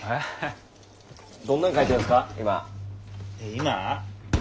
今？